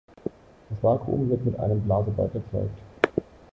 Das Vakuum wird mit einem Blasebalg erzeugt.